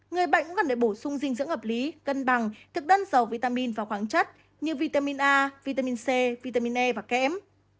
người bệnh cần để bổ sung dinh dưỡng hợp lý cân bằng thực đơn dầu vitamin và khoáng chất như vitamin a vitamin c vitamin e và kẽm